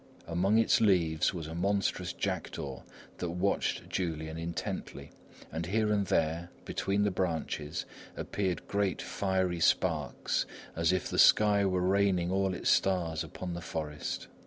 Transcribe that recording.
Among its leaves was a monstrous jackdaw that watched Julian intently, and here and there, between the branches, appeared great, fiery sparks as if the sky were raining all its stars upon the forest.